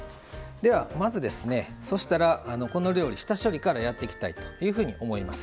ではまずですねそしたらこの料理下処理からやっていきたいというふうに思います。